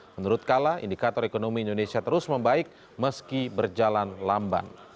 menurut kala indikator ekonomi indonesia terus membaik meski berjalan lamban